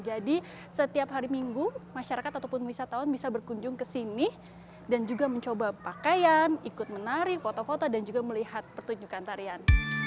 jadi setiap hari minggu masyarakat ataupun wisatawan bisa berkunjung ke sini dan juga mencoba pakaian ikut menari foto foto dan juga melihat pertunjukan tarian